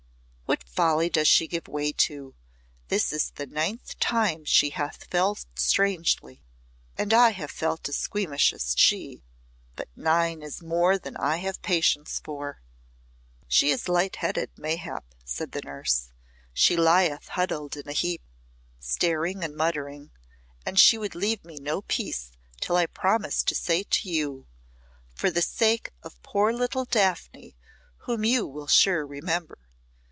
"What folly does she give way to? This is the ninth time she hath felt strangely, and I have felt as squeamish as she but nine is more than I have patience for." "She is light headed, mayhap," said the nurse. "She lieth huddled in a heap, staring and muttering, and she would leave me no peace till I promised to say to you, 'For the sake of poor little Daphne, whom you will sure remember.'